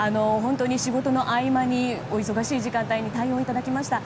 仕事の合間お忙しい時間帯対応いただきました。